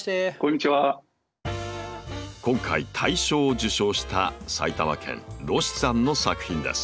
今回大賞を受賞した埼玉県ｒｏｓｈｉさんの作品です。